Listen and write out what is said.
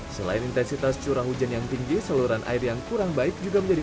selain intensitas curah hujan yang tinggi saluran air yang kurang baik juga menjadi